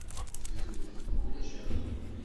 Bdut, ma ulac aɣilif.